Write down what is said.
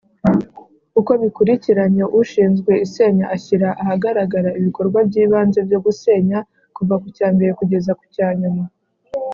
uko bikurikiranye ushinzwe isenya ashyira ahagaragara ibikorwa byibanze byo gusenya kuva kucya mbere kugeza kucya nyuma